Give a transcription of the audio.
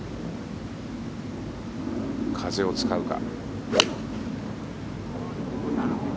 風を使うか。